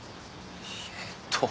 えっと。